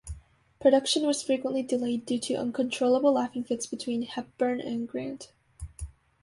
Production was frequently delayed due to uncontrollable laughing fits between Hepburn and Grant.